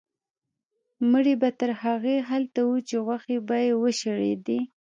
مړی به تر هغې هلته و چې غوښې به یې وشړېدې.